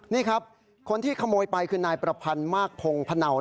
นี่ครับคนที่ขโมยไปคือนายประพันธ์มากพงพะเนา